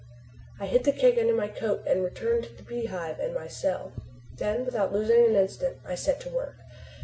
I hid the keg under my coat, and returned to the Beehive and my cell. Then without losing an instant I set to work.